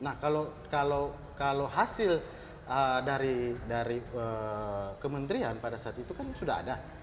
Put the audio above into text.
nah kalau hasil dari kementerian pada saat itu kan sudah ada